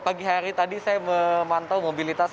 pagi hari tadi saya memantau mobilitas